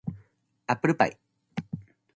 アップルパイ